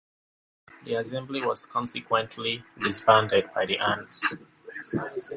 The Assembly was consequently disbanded by the Hands.